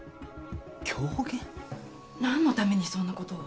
何のためにそんなことを。